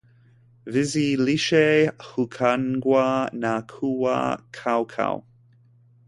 vizi lishe hukaangwa na kuwa kaukau